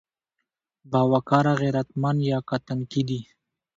باوقاره، غيرتمن يا که تنکي دي؟